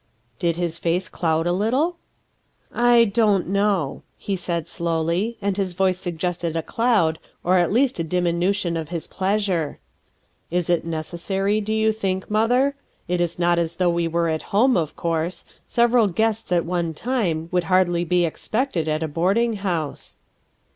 Did his face cloud a little? "I don't know," he said slowly, and his voice suggested a cloud, or at least a diminution of his pleasure. "Is that necessary, do you think, mother? It is not as though we were at home, of course. Several guests at one time would hardly be expected at a boarding house."